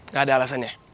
gak ada alasannya